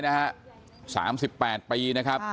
สามสิบแปนปี